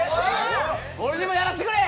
俺にもやらせてくれ！